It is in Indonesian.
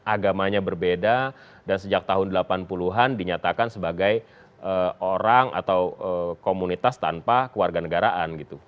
agamanya berbeda dan sejak tahun delapan puluh an dinyatakan sebagai orang atau komunitas tanpa keluarga negaraan gitu